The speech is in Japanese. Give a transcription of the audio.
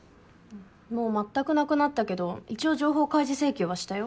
もう全くなくなったけど一応情報開示請求はしたよ。